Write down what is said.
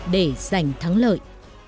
để giành thắng lợi